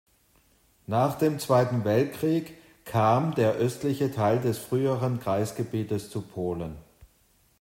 Nach dem Zweiten Weltkrieg kam der östliche Teil des früheren Kreisgebietes zu Polen.